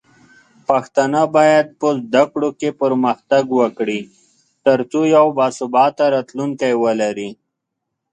پښتانه بايد په زده کړو کې پرمختګ وکړي، ترڅو یو باثباته راتلونکی ولري.